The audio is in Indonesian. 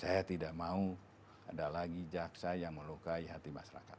saya tidak mau ada lagi jaksa yang melukai hati masyarakat